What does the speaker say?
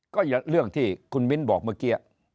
ก็เรื่องที่คุณมิ้นบอกเมื่อกี้